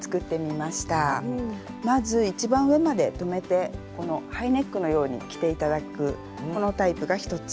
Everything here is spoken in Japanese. まず一番上まで留めてハイネックのように着て頂くこのタイプが１つ。